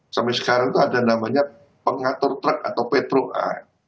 sampai sekarang itu ada namanya pengatur truk atau petruk a